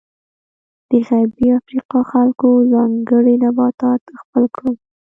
د غربي افریقا خلکو ځانګړي نباتات خپل کړل.